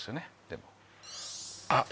でもあっ